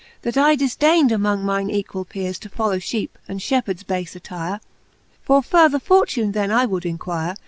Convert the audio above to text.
That I difdain'd amongft mine equal! peares To follow ftieepe, and jQiepheards bafe attire : For further fortune then I would inquire.